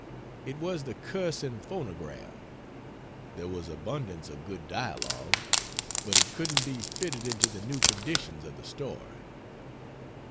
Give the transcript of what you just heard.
It was the cursing phonograph. There was abundance of good dialogue, but it couldn't befitted into the new conditions of the story.